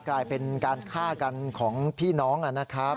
กลายเป็นการฆ่ากันของพี่น้องนะครับ